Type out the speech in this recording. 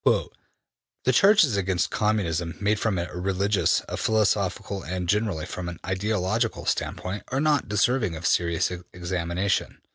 ``The charges against Communism made from a religious, a philosophical, and, generally, from an ideological standpoint, are not deserving of serious examination.